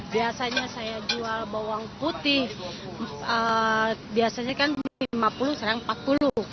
biasanya saya jual bawang putih biasanya kan rp lima puluh sekarang rp empat puluh